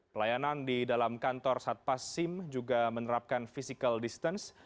pelayanan di dalam kantor satpas sim juga menerapkan physical distance